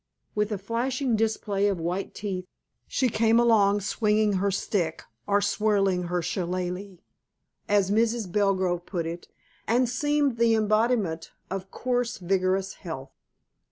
With a flashing display of white teeth, she came along swinging her stick, or whirling her shillalah, as Mrs. Belgrove put it, and seemed the embodiment of coarse, vigorous health.